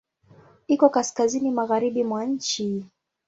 Iko kaskazini magharibi mwa nchi.